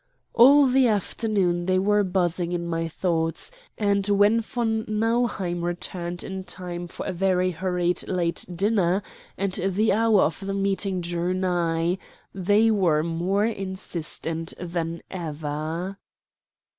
All the afternoon they were buzzing in my thoughts, and when von Nauheim returned in time for a very hurried late dinner, and the hour of the meeting drew nigh, they were more insistent than ever.